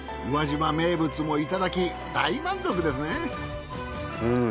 宇和島名物もいただき大満足ですね。